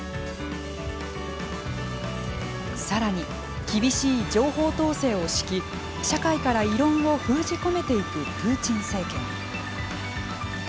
さらに厳しい情報統制を敷き社会から異論を封じ込めていくプーチン政権。